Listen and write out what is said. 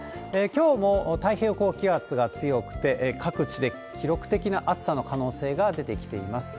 きょうも太平洋高気圧が強くて、各地で記録的な暑さの可能性が出てきています。